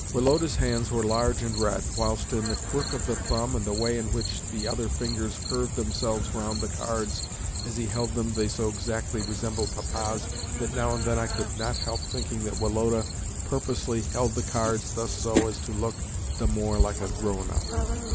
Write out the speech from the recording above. Woloda's hands were large and red, whilst in the crook of the thumb and the way in which the other fingers curved themselves round the cards as he held them they so exactly resembled Papa's that now and then I could not help thinking that Woloda purposely held the cards thus so as to look the more like a grownup.